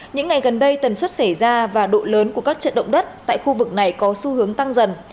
những ngày gần đây tần suất xảy ra và độ lớn của các trận động đất tại khu vực này có xu hướng tăng dần